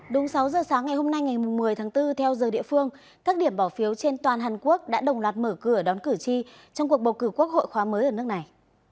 đúng sáu giờ sáng ngày hôm nay ngày một mươi tháng bốn theo giờ địa phương các điểm bỏ phiếu trên toàn hàn quốc đã đồng loạt mở cửa đón cử tri trong cuộc bầu cử quốc hội khóa mới ở nước này